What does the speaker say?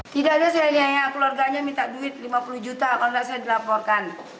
tidak ada saya nyaya keluarganya minta duit lima puluh juta kalau tidak saya dilaporkan